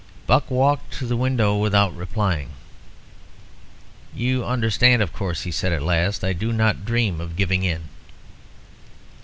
Buck walked to the window without replying. "You understand, of course," he said at last, "I do not dream of giving in."